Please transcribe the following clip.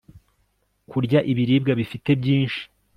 kurya ibiribwa bifite byinshi